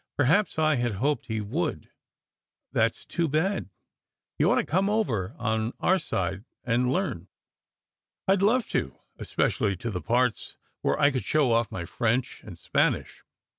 Perhaps I had hoped he would. "That s too bad! You ought to come over on our side and learn." "I d love to, especially to the parts where I could show off my French and Spanish.